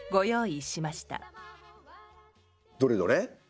どれどれ？